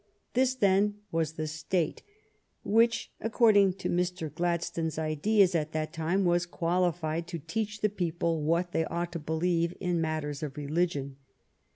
This, then, was the State which, according to Mr. Gladstone's ideas at that time, was qualified to teach the people what they ought to believe in matters of religion.